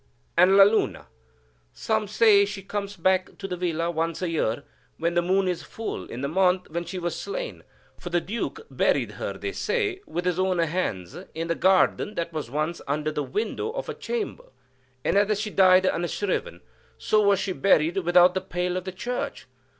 "And La Luna? Some say she comes back to the villa, once a year, when the moon is full, in the month when she was slain; for the Duke buried her, they say, with his own hands, in the garden that was once under the window of her chamber; and as she died unshriven, so was she buried without the pale of the Church.